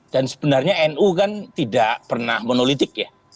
dan sebenarnya nu kan tidak pernah monolitik ya